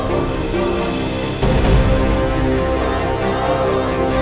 kok dia kenal sama klara